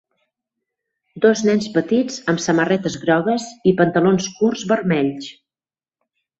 Dos nens petits amb samarretes grogues i pantalons curts vermells.